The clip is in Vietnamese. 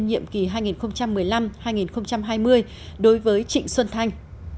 nhiệm kỳ hai nghìn một mươi năm hai nghìn hai mươi đối với trịnh xuân thanh